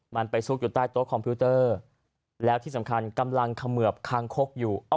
มันไปซุกอยู่ใต้โต๊ะคอมพิวเตอร์แล้วที่สำคัญกำลังเขมือบคางคกอยู่